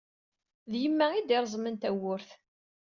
D yemma ay d-ireẓẓmen tawwurt.